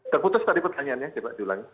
terputus tadi pertanyaannya cepat julang